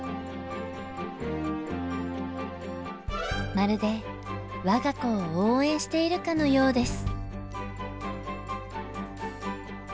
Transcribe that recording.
まるで我が子を応援しているかのようです。